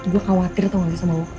gue khawatir tau gak bisa mau